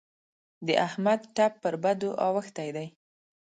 د احمد ټپ پر بدو اوښتی دی.